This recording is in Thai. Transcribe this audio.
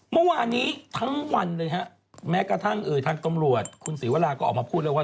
เมื่อวานนี้ทั้งวันเลยฮะแม้กระทั่งทางตำรวจคุณศรีวราก็ออกมาพูดแล้วว่า